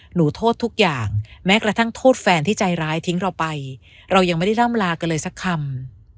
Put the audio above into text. หนูโทษทุกอย่างแม้กระทั่งโทษแฟนที่ใจร้ายทิ้งเราไปเรายังไม่ได้ร่ำลากันเลยสักคำ